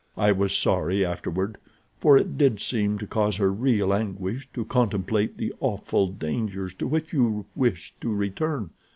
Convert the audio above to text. I was sorry afterward, for it did seem to cause her real anguish to contemplate the awful dangers to which you wished to return.